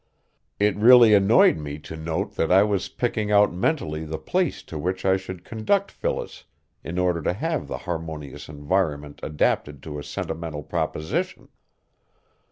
It really annoyed me to note that I was picking out mentally the place to which I should conduct Phyllis in order to have the harmonious environment adapted to a sentimental proposition.